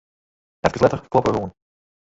Efkes letter kloppe er oan.